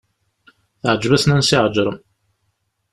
Teεǧeb-as Nansi Ԑeǧrem.